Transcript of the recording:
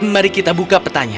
mari kita buka petanya